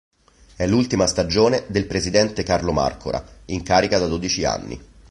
È l'ultima stagione del presidente Carlo Marcora, in carica da dodici anni.